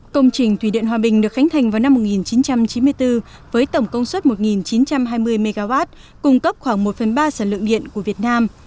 công trình thủy điện hòa bình được khánh thành vào năm một nghìn chín trăm chín mươi bốn với tổng công suất một chín trăm hai mươi mw cung cấp khoảng một phần ba sản lượng điện của việt nam